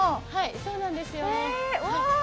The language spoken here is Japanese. はいそうなんですよ。へっ。